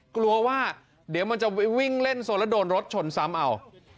กลัวว่าเดี๋ยวมันจะวิ่งเล่นโซนแล้วโดนรถชนซ้ำเอา